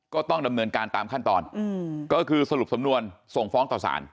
ก็ต้องดำเนินการตามขั้นตอนก็คือสรุปสำนวนส่งฟ้องต่อสาร